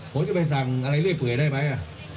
ผมจะไปสั่งอะไรเรื่อยเผื่อได้ไหม